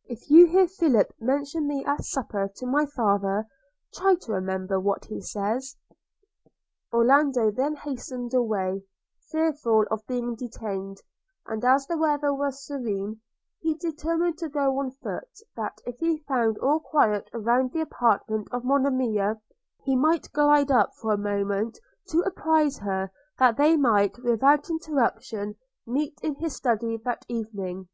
– If you hear Philip mention me at supper to my father, try to remember what he says.' Orlando then hastened away, fearful of being detained; and as the weather was serene, he determined to go on foot, that, if he found all quiet round the apartment of Monimia, he might glide up for a moment to apprise her that they might without interruption meet in his study that evening.